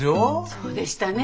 そうでしたね。